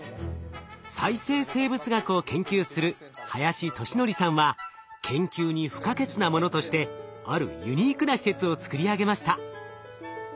再生生物学を研究する林利憲さんは研究に不可欠なものとしてあるユニークな施設を作り上げました。